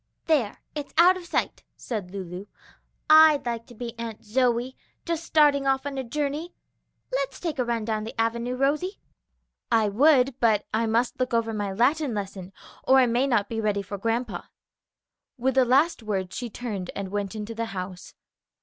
"There, it's out of sight," said Lulu. "I'd like to be Aunt Zoe, just starting off on a journey. Let's take a run down the avenue, Rosie." "I would, but I must look over my Latin lesson, or I may not be ready for grandpa." With the last words she turned and went into the house.